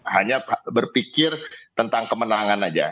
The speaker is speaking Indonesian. hanya berpikir tentang kemenangan saja